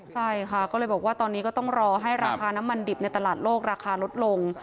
ใช่ค่ะก็เลยบอกว่าตอนนี้ก็ต้องรอให้ราคาน้ำมันดิบในตลาดโลกราคาลดลง